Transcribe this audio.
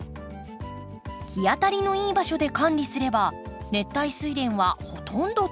日当たりのいい場所で管理すれば熱帯スイレンはほとんど手間いらず。